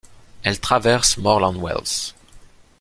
Elle traverse Morlanwelz.